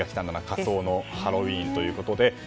仮装のハロウィーンということで。